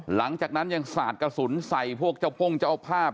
หลังจากนั้นยังสาดกระสุนใส่พวกเจ้าป้งเจ้าภาพ